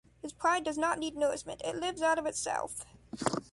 His pride does not need nourishment; it lives out of itself.